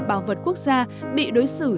bảo vật quốc gia bị đối xử